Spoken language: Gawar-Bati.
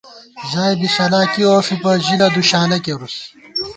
ژائے بی شَلا کی اوفِبہ ، ژِلہ دُوشالہ کېرُوس